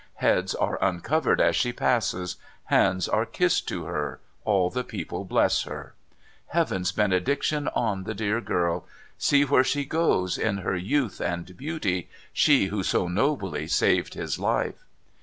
Heads are uncovered as she passes, hands are kissed to her, all the people bless her. ' Heaven's benediction on the dear girl ! See where she goes in her youth and beauty ; she who so nobly saved his life